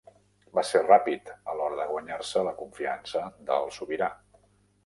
Va ser ràpid a l'hora de guanyar-se la confiança del sobirà.